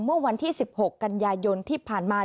เมื่อวันที่๑๖กันยายนที่ผ่านมา